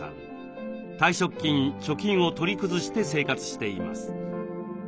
退職金貯金を取り崩して生活しています。